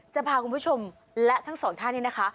จะพาคุณผู้ชมและทั้งสองท่านนี้นะคะ